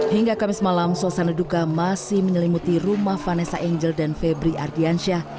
hingga kamis malam suasana duka masih menyelimuti rumah vanessa angel dan febri ardiansyah